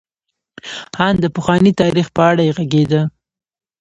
ان د پخواني تاریخ په اړه یې غږېده.